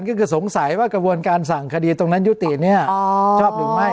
ก็คือสงสัยว่ากระบวนการสั่งคดีตรงนั้นยุติเนี่ยชอบหรือไม่